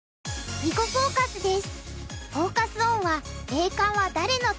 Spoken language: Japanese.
「囲碁フォーカス」です。